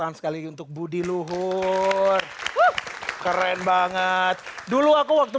assalammu alaikum warahmatullahi wabarakatuh